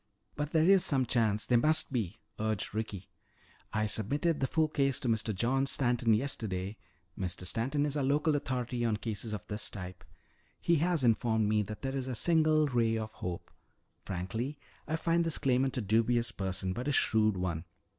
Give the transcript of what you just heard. "But there is some chance, there must be!" urged Ricky. "I submitted the full case to Mr. John Stanton yesterday Mr. Stanton is our local authority on cases of this type. He has informed me that there is a single ray of hope. Frankly, I find this claimant a dubious person, but a shrewd one.